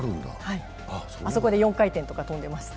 あそこで４回転とか跳んでました。